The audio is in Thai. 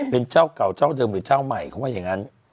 เป็นเจ้าเก่าเจ้าเดิมหรือเจ้าใหม่เขาว่าอย่างนั้น